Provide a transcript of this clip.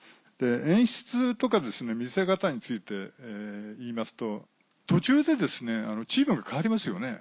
演出とか見せ方について言いますと途中でチームが変わりますよね。